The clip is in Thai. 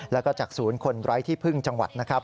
แล้วก็จากศูนย์คนไร้ที่พึ่งจังหวัดนะครับ